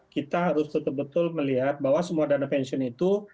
kita harus betul betul melihat bahwa semua dana pensiun itu